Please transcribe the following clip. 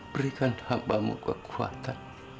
berikan hamba mu kekuatan